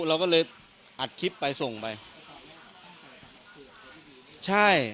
เราก็เลยอัดคลิปไปส่งไปใช่